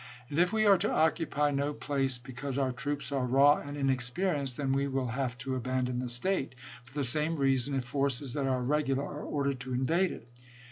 And if we are to occupy no place because our troops are raw and inexperienced, then we will have to abandon the State, for the same reason, if forces that are regular are ordered to invade it.